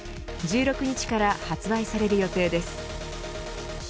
１６日から発売される予定です。